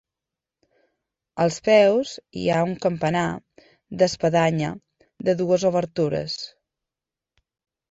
Als peus hi ha un campanar d'espadanya de dues obertures.